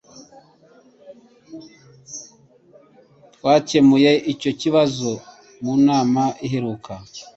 Twakemuye icyo kibazo mu nama iheruka.